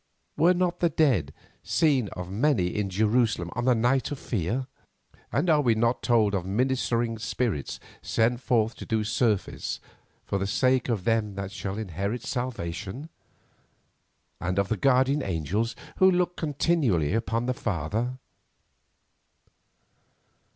Were not the dead seen of many in Jerusalem on the night of fear, and are we not told of "ministering spirits sent forth to do service for the sake of them that shall inherit salvation?" and of the guardian angels, who look continually upon the Father?